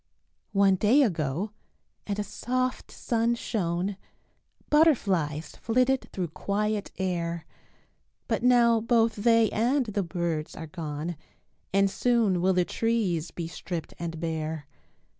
One day ago and a soft sun shone, Butterflies flitted through quiet air, But now both they and the birds are gone And soon will the trees be stripped and bare.